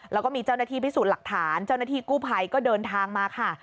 แล้วก็มีเจ้าหน้าที่พิสูจน์หลักฐานเจ้าหน้าที่กู้ภัยก็เดินทางมาค่ะ